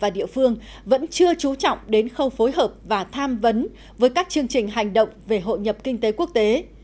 địa phương vẫn chưa trú trọng đến khâu phối hợp và tham vấn với các chương trình hành động về hội nhập kinh tế quốc tế